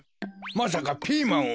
まさかピーマンを。